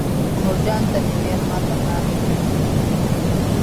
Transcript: مورجانې ته مې ویل: ما ته ناوې وښایه.